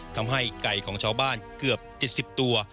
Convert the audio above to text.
ทำให้ไก่ของชาวบ้านเกือบ๗๐ตัว